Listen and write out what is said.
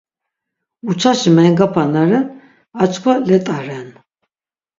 Uçaşi mengapa na ren, arçkva let̆a ren.